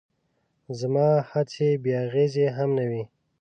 زما هڅې بې اغېزې هم نه وې.